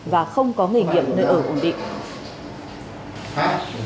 và không có nghề nghiệm nơi ở ổn định